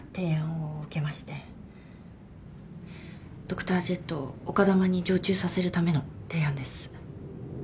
ドクタージェットを丘珠に常駐させるための提案です。